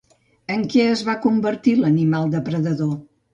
En què es va convertir l'animal depredador?